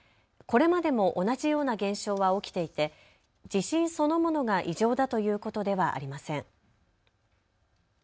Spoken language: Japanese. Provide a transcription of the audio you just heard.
これまでも同じような現象は起きていて地震そのものが異常だということではありません。